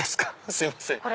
すいません。